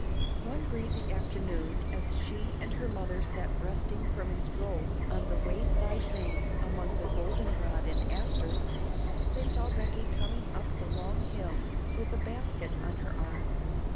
One breezy afternoon as she and her mother sat resting from a stroll on the way side bank among the golden rod and asters, they saw Becky coming up the long hill with a basket on her arm.